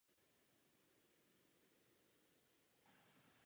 V první je král na lovu v lese.